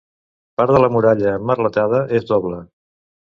Part de la muralla emmerletada és doble.